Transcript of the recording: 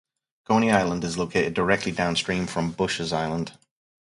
Coney Island is located directly downstream from Bushes Island.